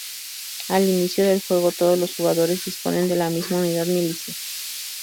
Al inicio del juego todos los jugadores disponen de la misma unidad: Milicia.